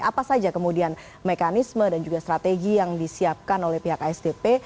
apa saja kemudian mekanisme dan juga strategi yang disiapkan oleh pihak asdp